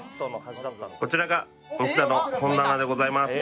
こちらが僕らの本棚でございます。